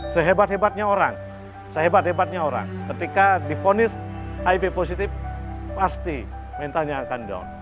sehebat hebatnya orang sehebat hebatnya orang ketika diponis ip positif pasti mentalnya akan down